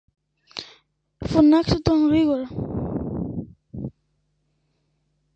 Φωνάξετε τον γρήγορα.